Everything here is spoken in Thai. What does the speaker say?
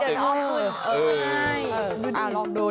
ขึ้นมากกว่าเดินออก